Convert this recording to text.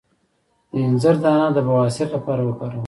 د انځر دانه د بواسیر لپاره وکاروئ